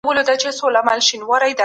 د لويي جرګې ګډونوال چېرته اوسیږي؟